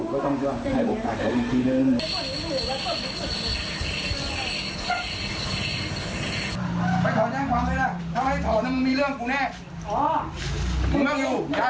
กลับมาสะเอียดแม่ไหวขึ้นมาอยู่ให้หมดเลย